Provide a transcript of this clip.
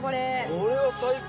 これは最高。